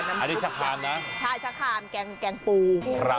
น้ำชุบอันนี้ชะครามนะใช่ชะครามแกงแกงปูครับ